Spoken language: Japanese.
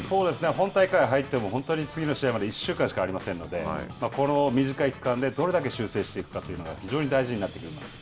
本大会に入っても、本当に次の試合まで１週間しかありませんので、この短い期間で、どれだけ修正していくかというのが非常に大事になってくるんです。